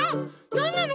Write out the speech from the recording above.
なんなの？